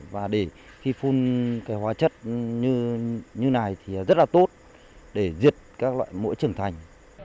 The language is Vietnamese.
và để khi phun cái hóa chất như này thì rất là tốt để diệt các loại mũi trưởng thành